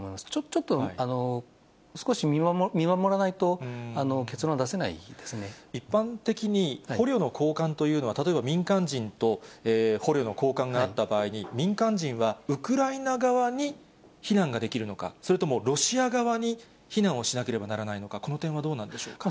ちょっと、少し見守らないと、一般的に捕虜の交換というのは、例えば民間人と捕虜の交換があった場合に、民間人はウクライナ側に避難ができるのか、それとも、ロシア側に避難をしなければならないのか、この点はどうなんでしょうか。